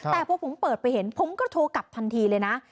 แต่พอผมเปิดไปเห็นผมก็โทรกลับทันทีเลยนะ